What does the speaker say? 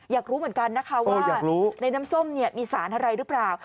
อยากรู้เหมือนกันนะคะว่าในน้ำส้มมีสารอะไรหรือเปล่า